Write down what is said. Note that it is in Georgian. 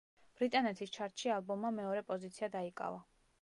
ბრიტანეთის ჩარტში ალბომმა მეორე პოზიცია დაიკავა.